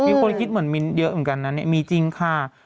มีคนคิดเหมือนมิ้นเยอะเหมือนกันนะเนี่ยมีจริงค่ะ